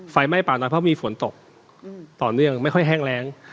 ไฟไหม้ป่าน้อยเพราะมีฝนตกต่อเนื่องไม่ค่อยแห้งแรง